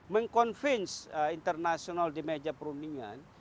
meng convince internasional di meja perundingan